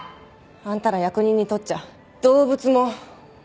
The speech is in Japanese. あんたら役人にとっちゃ動物もモノなんだろ？